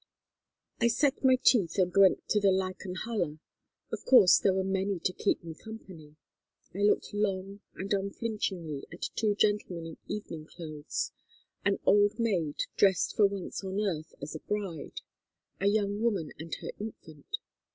"I set my teeth and went back to the Leichenhalle. Of course there were many to keep me company. I looked long and unflinchingly at two gentlemen in evening clothes, an old maid dressed for once on earth as a bride, a young woman and her infant.